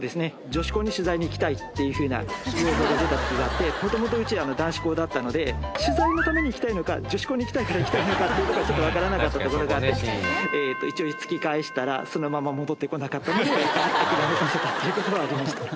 女子高に取材に行きたいっていうふうな要望が出た時があって元々うち男子高だったので取材のために行きたいのか女子高に行きたいから行きたいのかっていうのがわからなかったところがあって突き返したらそのまま戻ってこなかったので諦めさせたっていう事はありましたね。